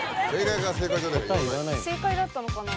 正解だったのかな？